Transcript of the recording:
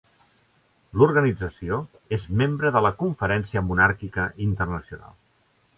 L'organització és membre de la Conferència Monàrquica Internacional.